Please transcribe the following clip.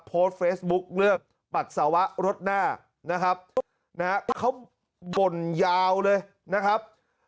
โพสต์เฟซบุ๊คเลือกปัสสาวะรถหน้านะครับนะฮะเขาบ่นยาวเลยนะครับ